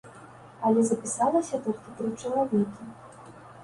Але запісалася толькі тры чалавекі.